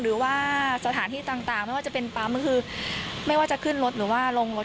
หรือว่าสถานที่ต่างไม่ว่าจะเป็นปั๊มก็คือไม่ว่าจะขึ้นรถหรือว่าลงรถ